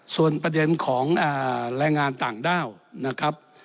ส่วนประเด็นของแรงงานต่างด้าวนะครับ